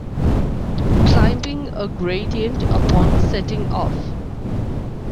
climbing a gradient upon setting off.